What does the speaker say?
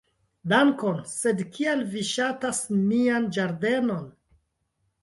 "Dankon. Sed kial vi ŝatas mian ĝardenon?"